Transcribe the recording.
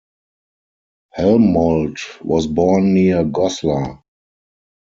Helmold was born near Goslar.